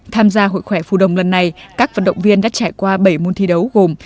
tham gia hội khỏe phù đồng lần này các vận động viên đã trải qua bảy môn thi đấu gồm